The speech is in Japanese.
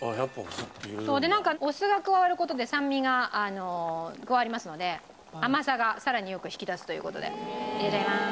でなんかお酢が加わる事で酸味が加わりますので甘さがさらによく引き立つという事で入れちゃいます。